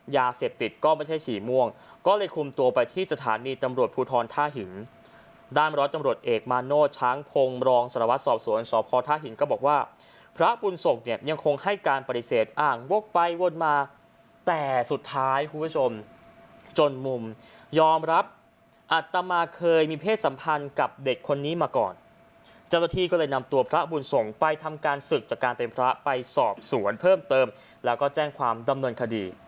อย่าเสพติดก็ไม่ใช่ฉี่ม่วงก็เลยคุมตัวไปที่สถานีจำรวจภูทรท่าหินด้านบร้อยจำรวจเอกมาโน้ตช้างพงศ์รองศ์สรวจสวนสอบพอท่าหินก็บอกว่าพระบุญส่งเนี้ยยังคงให้การปฏิเสธอ่างวกไปวดมาแต่สุดท้ายคุณผู้ชมจนมุมยอมรับอัตมาเคยมีเพศสัมพันธ์กับเด็กคนนี้มาก่อนเจ้าหน้าที่ก็เลยน